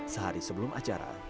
sehari sebelum acara